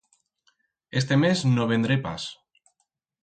Este mes no vendré pas.